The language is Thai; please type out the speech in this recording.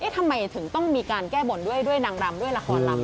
ทำไมถึงต้องมีการแก้บนด้วยนางรำด้วยละครลำ